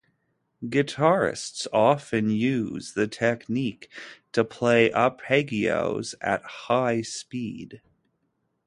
Guitarists often use the technique to play arpeggios at high speed.